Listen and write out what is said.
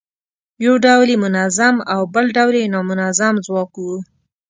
یو ډول یې منظم او بل ډول یې نامنظم ځواک و.